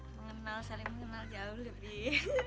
mengenal saling mengenal jauh lebih